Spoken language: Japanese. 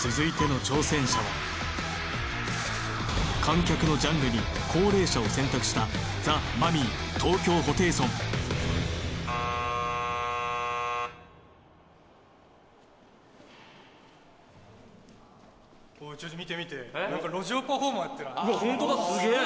続いての挑戦者は観客のジャンルに高齢者を選択したおおちょっと見て見て何か路上パフォーマーやってるわっホントだすげえ！